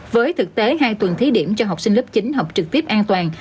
với thực tế hai tuần thí điểm cho học sinh lớp chín học trực tiếp an toàn